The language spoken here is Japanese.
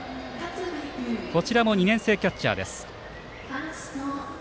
勝部も２年生キャッチャーです。